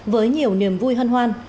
với nhiều niềm vui hân hoan